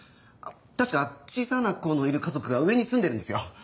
確か小さな子のいる家族が上に住んでるんですよ。